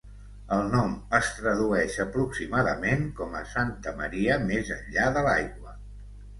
El nom es tradueix aproximadament com a "Santa Maria més enllà de l'aigua".